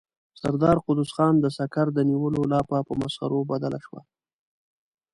د سردار قدوس خان د سکر د نيولو لاپه په مسخرو بدله شوه.